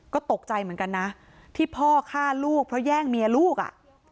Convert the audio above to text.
ก็ตกใจเหมือนกันนะที่พ่อฆ่าลูกเพราะแย่งเมียลูกอ่ะ